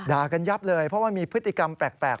กันยับเลยเพราะว่ามีพฤติกรรมแปลก